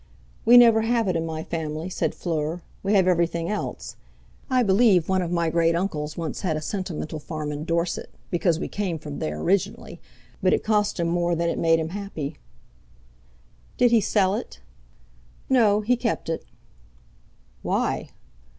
"We never have it in my family," said Fleur. "We have everything else. I believe one of my great uncles once had a sentimental farm in Dorset, because we came from there originally, but it cost him more than it made him happy." "Did he sell it?" "No; he kept it." "Why?"